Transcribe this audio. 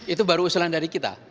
itu baru usulan dari kita